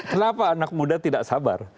kenapa anak muda tidak sabar